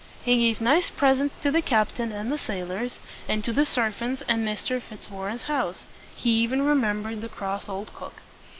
He gave nice presents to the cap tain and the sailors, and to the servants in Mr. Fitz warren's house. He even remembered the cross old cook.